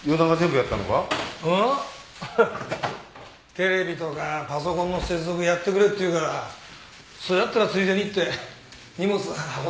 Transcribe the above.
テレビとかパソコンの接続やってくれって言うからそれだったらついでにって荷物運んでやったんだよ。